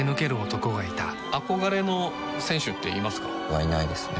はいないですね